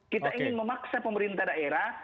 kita ingin memaksa pemerintah daerah